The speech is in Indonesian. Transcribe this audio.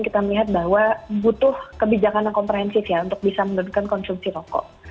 kita melihat bahwa butuh kebijakan yang komprehensif ya untuk bisa menurunkan konsumsi rokok